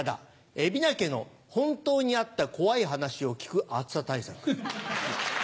海老名家の本当にあった怖い話を聞く暑さ対策。